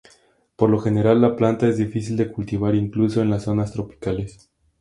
Por lo general la planta es difícil de cultivar, incluso en las zonas tropicales.